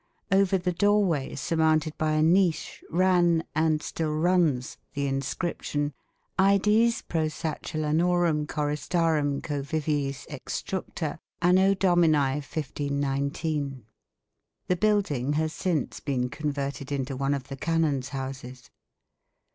Over the doorway, surmounted by a niche, ran (and still runs) the inscription "AEDES PRO SACELLANORUM CHORISTARUM COVIVIIS EXTRUCTA, A.D. 1519." The building has since been converted into one of the canons' houses.